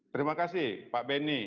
terima kasih pak benny